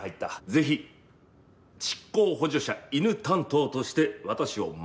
ぜひ執行補助者犬担当として私を守って頂きたい。